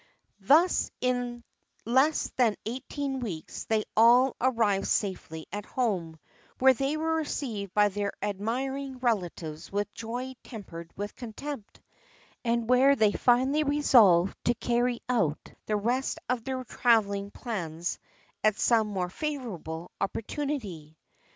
Thus in less than eighteen weeks they all arrived safely at home, where they were received by their admiring relatives with joy tempered with contempt, and where they finally resolved to carry out the rest of their traveling plans at some more favorable opportunity.